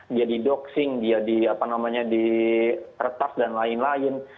dia di doxing dia di apa namanya di retas dan lain lain